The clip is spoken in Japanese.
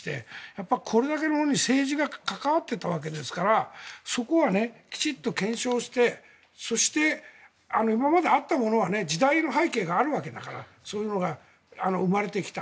これだけのものに政治が関わっていたわけですからそこはきちんと検証してそして、今まであったものは時代背景があるわけだからそういうのが生まれてきた。